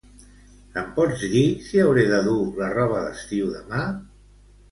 Em pots dir si hauré de dur la roba d'estiu demà?